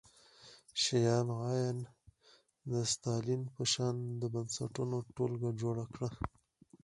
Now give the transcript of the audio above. شیام عین د ستالین په شان د بنسټونو ټولګه جوړه کړه